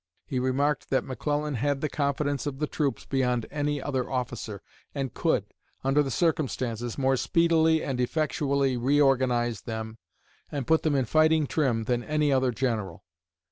He remarked that McClellan had the confidence of the troops beyond any other officer, and could, under the circumstances, more speedily and effectually reorganize them and put them in fighting trim than any other general.